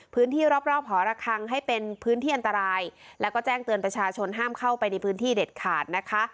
พื้นที่รอบรอบหอระคังให้เป็นพื้นที่อันตรายแล้วก็แจ้งเตือนประชาชนห้ามเข้าไปในพื้นที่เด็ดขาดนะคะ